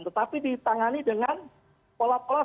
tetapi ditangani dengan pola pola